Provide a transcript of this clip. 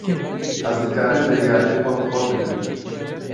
Ez dikarim biryarên xwe bi xwe bidim.